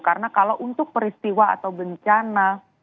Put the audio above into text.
karena kalau untuk peristiwa atau bencana